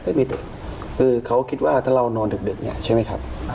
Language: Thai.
ไม่ตื่นคือเขาคิดว่าถ้าเรานอนดึกเนี่ยใช่ไหมครับ